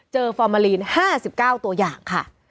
เจอฟอร์เมลิน๕๙ตัวอย่างค่ะ